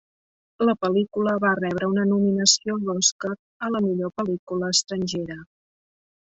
La pel·lícula va rebre una nominació a l'Oscar a la millor pel·lícula estrangera.